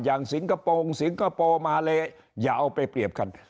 สิงคโปร์สิงคโปร์มาเลอย่าเอาไปเปรียบกัน